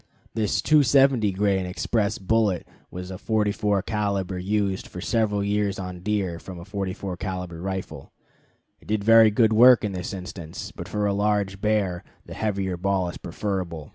This 270 grain express bullet was a 44 caliber used for several years on deer from a 44 caliber rifle. It did very good work in this instance, but for a large bear the heavier ball is preferable.